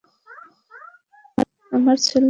আমার ছেলে, পোরাস!